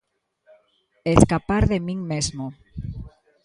Escapar de min mesmo.